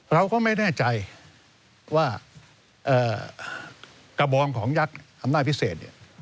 เราก็ไม่แน่ใจว่ากระบองของยักษ์อำนาจพิเศษเนี่ย